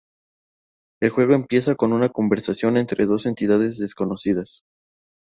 El juego empieza con una conversación entre dos entidades desconocidas.